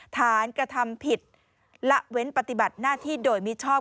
กระทำผิดละเว้นปฏิบัติหน้าที่โดยมิชอบ